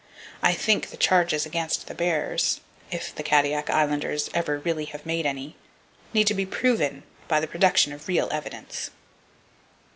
I think the charges against the bears,—if the Kadiak Islanders ever really have made any,—need to be proven, by the production of real evidence.